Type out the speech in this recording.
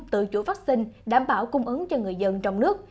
tự chủ vaccine đảm bảo cung ứng cho người dân trong nước